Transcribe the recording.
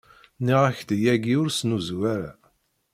Nniɣ-ak-d yagi ur ssnuzu ara.